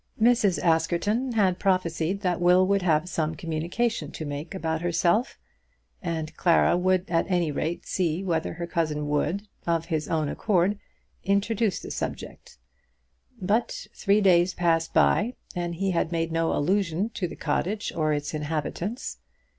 Mrs. Askerton had prophesied that Will would have some communication to make about herself, and Clara would at any rate see whether her cousin would, of his own accord, introduce the subject. But three days passed by, and he had made no allusion to the cottage or its inhabitants.